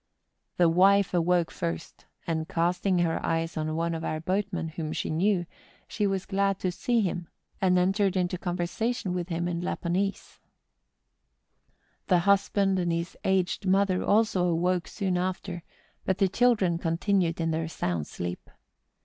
The wife awoke first, and casting her eyes on one of our boatmen, whom she knew, she was glad to see him, and entered into conversation with him in Lap 150 MOUNTAIN ADVENTURES. ponese. The husband and his aged mother also awoke soon after, but the children continued in their sound sleep.